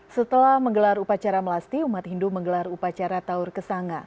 setelah menggelar upacara melasti umat hindu menggelar upacara taur kesanga